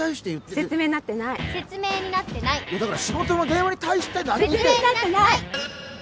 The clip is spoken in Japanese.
説明になってない説明になってないだから仕事の電話に対して説明になってない！